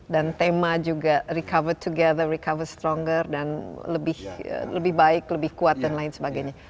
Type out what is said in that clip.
dan tema juga recover together recover stronger dan lebih baik lebih kuat dan lain sebagainya